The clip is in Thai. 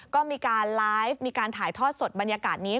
ก็มีการไลฟ์มีการถ่ายทอดสดบรรยากาศนี้